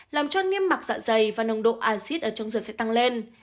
làm cho niêm mạc dạ dày và nồng độ acid ở trong ruột sẽ tăng lên